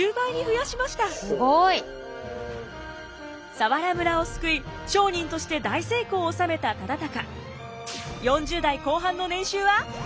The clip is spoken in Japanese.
佐原村を救い商人として大成功を収めた忠敬。